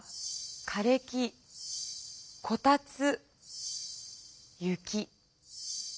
かれ木こたつ雪。